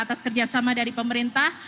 atas kerjasama dari pemerintah